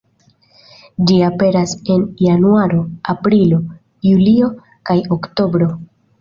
Ĝi aperas en Januaro, Aprilo, Julio kaj Oktobro.